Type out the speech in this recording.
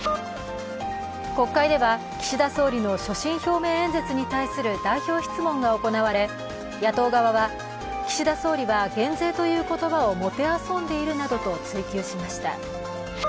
国会では岸田総理の所信表明演説に対する代表質問が行われ、野党側は、岸田総理は減税という言葉をもてあそんでいるなどと追及しました。